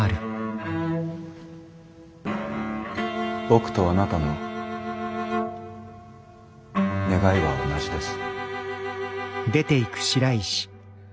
僕とあなたの願いは同じです。